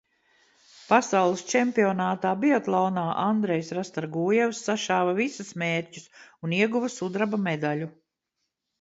Pasaules čempionātā biatlonā Andrejs Rastorgujevs sašāva visus mērķus un ieguva sudraba medaļu.